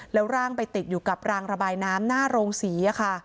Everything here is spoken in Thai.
แล้วร่างไปติดอยู่กับรางระบายน้ำหน้าโรงศรีค่ะ